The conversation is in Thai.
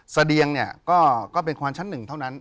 เสดียงเนี่ยก็เป็นควานชั้นหนึ่งเท่านั้น